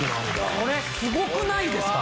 これすごくないですか？